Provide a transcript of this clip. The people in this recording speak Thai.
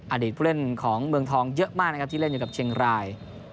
อดีตผู้เล่นของเมืองทองเยอะมากนะครับที่เล่นอยู่กับเชียงราย